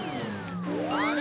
あれ？